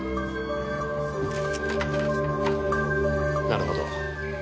なるほど。